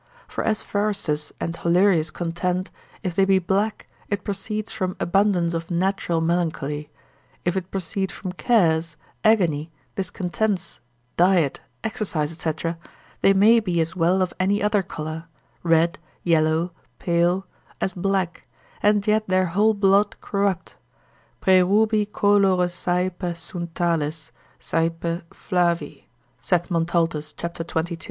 For as Forrestus and Hollerius contend, if they be black, it proceeds from abundance of natural melancholy; if it proceed from cares, agony, discontents, diet, exercise, &c., they may be as well of any other colour: red, yellow, pale, as black, and yet their whole blood corrupt: praerubri colore saepe sunt tales, saepe flavi, (saith Montaltus cap. 22.)